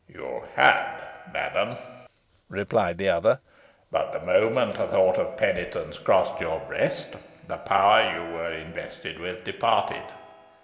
"You had, madam," replied the other; "but the moment a thought of penitence crossed your breast, the power you were invested with departed.